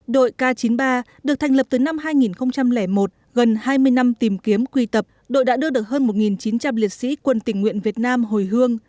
đội k chín mươi ba được thành lập từ năm hai nghìn một gần hai mươi năm tìm kiếm quy tập đội đã đưa được hơn một chín trăm linh liệt sĩ quân tình nguyện việt nam hồi hương